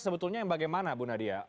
sebetulnya bagaimana bu nadia